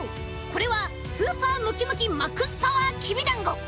これはスーパームキムキマックスパワーきびだんご！